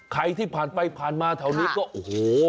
ใครที่ผ่านไปผ่านมาแถวนี้ก็โอ้โห